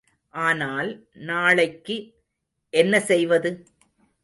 ஆனால், நாளைக்கு என்ன செய்வது?